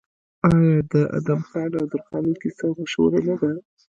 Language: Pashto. آیا د ادم خان او درخانۍ کیسه مشهوره نه ده؟